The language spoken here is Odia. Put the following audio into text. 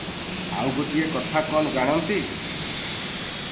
ଆଉ ଗୋଟିଏ କଥା କଣ ଜାଣନ୍ତି?